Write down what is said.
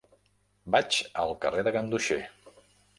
Vaig al carrer de Ganduxer.